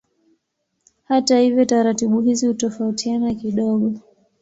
Hata hivyo taratibu hizi hutofautiana kidogo.